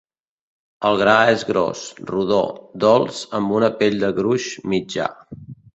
El gra és gros, rodó, dolç amb una pell de gruix mitjà.